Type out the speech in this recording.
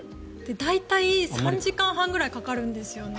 大体３時間半ぐらいかかるんですよね。